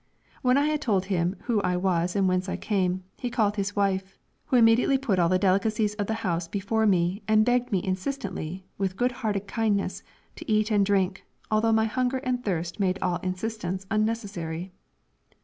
When I had told him who I was and whence I came, he called his wife, who immediately put all the delicacies of the house before me and begged me insistently, with good hearted kindness, to eat and drink, although my hunger and thirst made all insistence unnecessary.